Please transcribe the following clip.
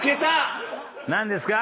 何ですか？